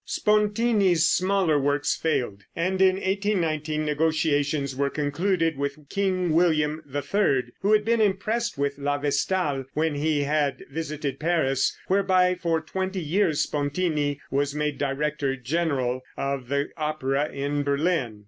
Spontini's smaller works failed, and in 1819 negotiations were concluded with King William III, who had been impressed with "La Vestale" when he had visited Paris, whereby for twenty years Spontini was made "director general" of the opera in Berlin.